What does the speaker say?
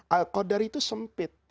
al qadar itu sempit